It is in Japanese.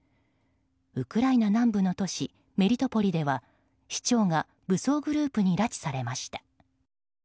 ウクライナ南部の都市メリトポリでは市長が武装グループに拉致されました。